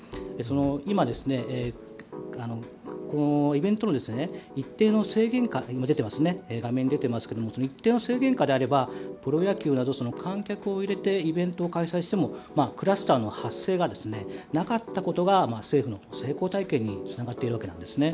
今、イベントの一定の制限下であれば画面に出ている一定の制限下であればプロ野球などイベントを開催してもクラスターの発生がなかったことが政府の成功体験につながっているんです。